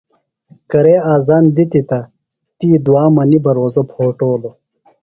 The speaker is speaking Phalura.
کرے اذان دِتیۡ تہ تی دُعا منی بہ روزہ پھوٹولوۡ۔